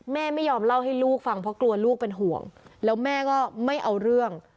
แม่ไม่ยอมเล่าให้ลูกฟังเพราะกลัวลูกเป็นห่วงแล้วแม่ก็ไม่เอาเรื่อง